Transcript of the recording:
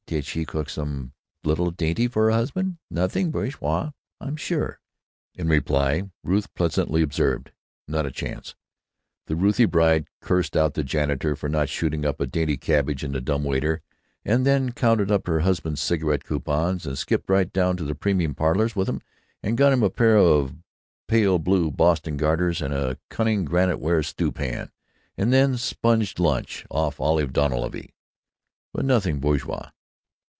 Did she cook some little dainty for her husband? Nothing bourgeois, I'm sure!" in reply Ruth pleasantly observed: "Not a chance. The Ruthie bride cussed out the janitor for not shooting up a dainty cabbage on the dumb waiter, and then counted up her husband's cigarette coupons and skipped right down to the premium parlors with 'em and got him a pair of pale blue Boston garters and a cunning granite ware stew pan, and then sponged lunch off Olive Dunleavy. But nothing bourgeois!"